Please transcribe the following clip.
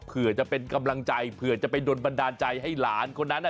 เพื่อจะเป็นกำลังใจเผื่อจะไปโดนบันดาลใจให้หลานคนนั้น